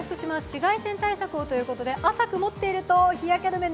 紫外線対策をということで朝曇っていると、日焼け止め